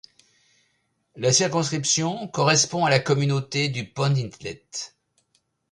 La circonscription correspond à la communauté du Pond Inlet.